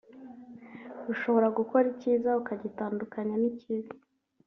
ushobora gukora icyiza ukagitandukanya n’ikibi